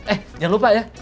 eh jangan lupa ya